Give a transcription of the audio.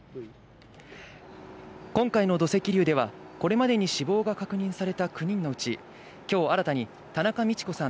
今回の土石流ではこれまでに死亡が確認された９人のうち今日新たに田中路子さん